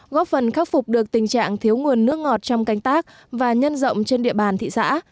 góp phần khắc phục được tình trạng thiếu nguồn nước ngọt trong canh tác và nhân rộng trên địa bàn thị xã